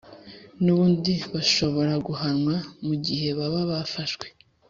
nubundi bashobora guhanwa mu gihe baba bafashwe